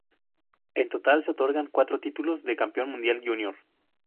En total se otorgarán cuatro títulos de campeón mundial junior.